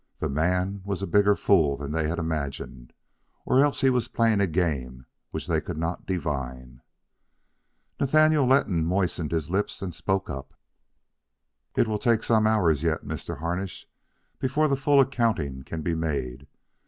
The man was a bigger fool than they had imagined, or else he was playing a game which they could not divine. Nathaniel Letton moistened his lips and spoke up. "It will take some hours yet, Mr. Harnish, before the full accounting can be made.